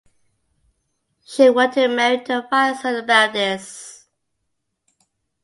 She wanted to Mary to advise her about this.